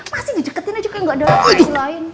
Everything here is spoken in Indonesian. masih ngejeketin aja kayak gak ada yang lain